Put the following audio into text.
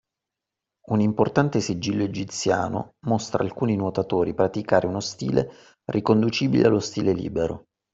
Un importante sigillo egiziano mostra alcuni nuotatori praticare uno stile riconducibile allo stile libero.